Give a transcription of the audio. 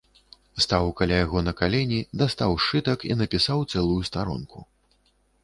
Стаў каля яго на калені, дастаў сшытак і напісаў цэлую старонку.